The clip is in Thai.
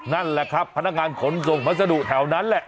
นั่นแหละครับพนักงานขนส่งพัสดุแถวนั้นแหละ